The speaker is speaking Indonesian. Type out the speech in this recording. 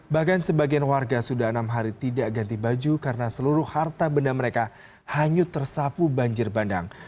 bahkan sebagian warga sudah enam hari tidak ganti baju karena seluruh harta benda mereka hanyut tersapu banjir bandang